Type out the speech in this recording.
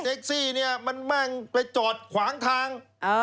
ไอ้เท็กซี่เนี่ยมันมั่งไปจอดขวางทาง